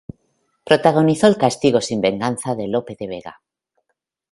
Protagonizó "El castigo sin venganza" de Lope de Vega.